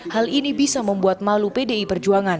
hal ini bisa membuat malu pdi perjuangan